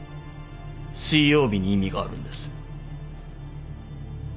水曜日に意味があるんです。